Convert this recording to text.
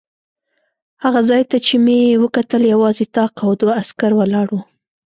هغه ځای ته چې مې وکتل یوازې طاق او دوه عسکر ولاړ و.